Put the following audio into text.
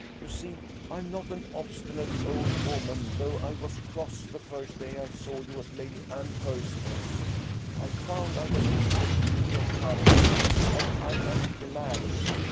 You see I am not an obstinate old woman, though I was cross the first day I saw you at Lady Anne Percival's. I found I was mistaken in your character, and I am glad of it.